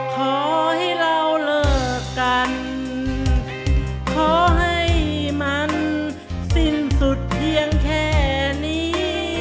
ขอให้เราเลิกกันขอให้มันสิ้นสุดเพียงแค่นี้